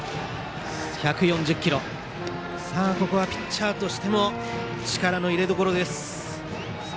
ここはピッチャーとしても力の入れどころです。